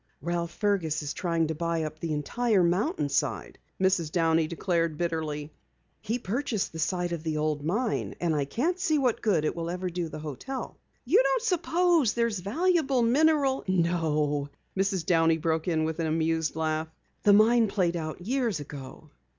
"Ralph Fergus is trying to buy up the entire mountainside," Mrs. Downey declared bitterly. "He purchased the site of the old mine, and I can't see what good it will ever do the hotel." "You don't suppose there's valuable mineral " "No," Mrs. Downey broke in with an amused laugh. "The mine played out years ago."